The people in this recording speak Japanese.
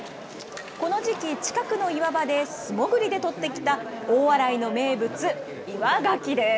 この時期、近くの岩場で素もぐりで取ってきた大洗の名物、岩がきです。